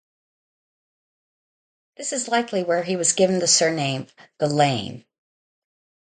This is likely where he was given the surname "the lame".